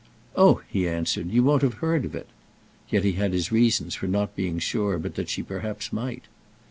"Oh," he answered, "you won't have heard of it!" Yet he had his reasons for not being sure but that she perhaps might.